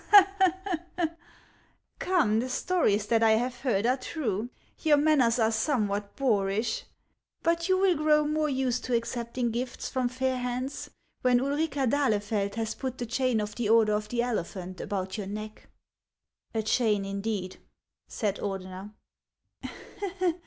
" Come, the stories that I have heard are true. Your manners are somewhat boorish ; but you will grow more used to accepting gifts from fair hands when Ulrica d'Ahlefeld has put the chain of the Order of the Elephant about your neck." " A chain indeed !" said Ordener.